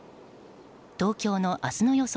東京の明日の予想